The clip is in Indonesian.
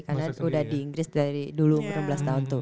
karena udah di inggris dari dulu enam belas tahun tuh